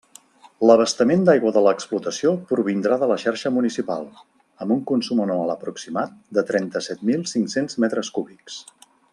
L'abastament d'aigua de l'explotació provindrà de la xarxa municipal, amb un consum anual aproximat de trenta-set mil cinc-cents metres cúbics.